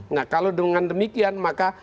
nah kalau dengan demikian maka